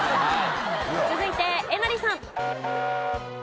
続いてえなりさん。